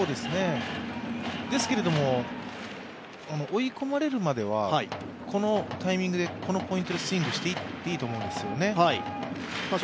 ですけれども、追い込まれるまではこのタイミングでこのポイントでスイングしていっていいと思うんですよね。